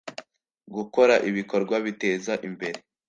gukora ibikorwa biteza imbere